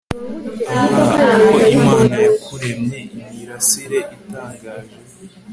Ah ko Imana yakuremye imirasire itangaje